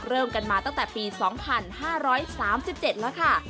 เริ่มกันมาตั้งแต่ปี๒๕๓๗แล้วค่ะ